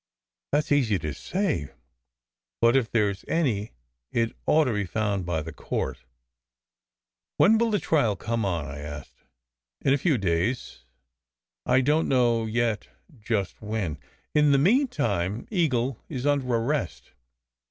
"That s easy to say. But if there s any, it ought to be found by the court." "When will the trial come on?" I asked. " In a few days. I don t know yet just when." "In the meantime, Eagle is under arrest?"